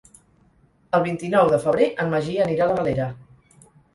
El vint-i-nou de febrer en Magí anirà a la Galera.